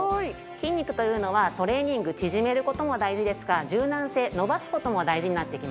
筋肉というのはトレーニング縮める事も大事ですが柔軟性伸ばす事も大事になってきます。